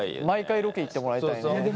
毎回ロケ行ってもらいたいね。